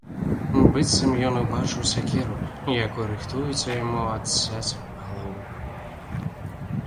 Быццам бы ён убачыў сякеру, якой рыхтуецца яму адцяць галаву.